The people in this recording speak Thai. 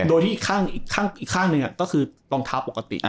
โดยที่อีกข้างหนึ่งก็คือลองเท้าปกติ